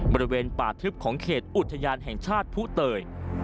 บริเวณป่าทึบของเขตอุทยานแห่งชาติผู้เตย